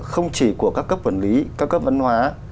không chỉ của các cấp quản lý các cấp văn hóa